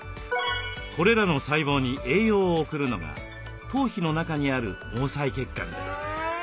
これらの細胞に栄養を送るのが頭皮の中にある毛細血管です。